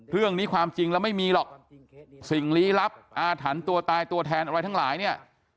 เรื่องนี้ความจริงแล้วไม่มีหรอกสิ่งลี้ลับอาถรรพ์ตัวตายตัวแทนอะไรทั้งหลายเนี่ย